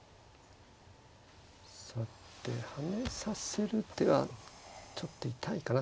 さて跳ねさせる手はちょっと痛いかな